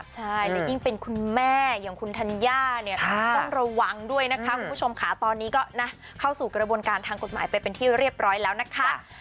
ใช่และยิ่งเป็นคุณแม่อย่างคุณธัญญาเนี่ยต้องระวังด้วยนะคะคุณผู้ชมค่ะตอนนี้ก็นะเข้าสู่กระบวนการทางกฎหมายไปเป็นที่เรียบร้อยแล้วนะคะ